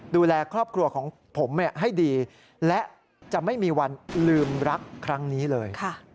ดูแลครอบครัวของผมให้ดีและจะไม่มีวันลืมรักครั้งนี้เลย